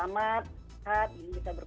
di gua sih sempowered